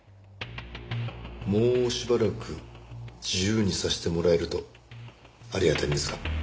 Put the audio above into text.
もうしばらく自由にさせてもらえるとありがたいんですが。